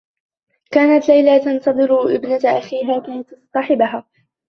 كانت ليلى تنتظر ابنة أخيها كي تصطحبها.